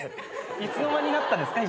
いつの間になったんですか？